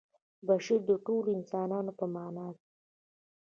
بشر د ټولو انسانانو په معنا دی.